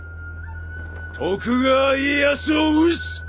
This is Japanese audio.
徳川家康を討つ！